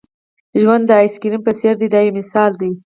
ژوند د آیس کریم په څېر دی دا یو مثال دی.